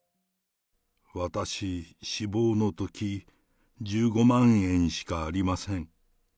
私、死亡のとき、１５万円しかありません。